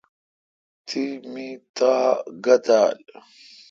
تی می تاء گہ تال ۔